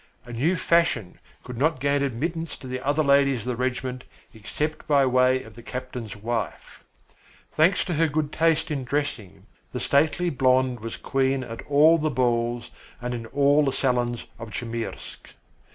A new fashion could not gain admittance to the other ladies of the regiment except by way of the captain's wife. Thanks to her good taste in dressing, the stately blonde was queen at all the balls and in all the salons of Chmyrsk.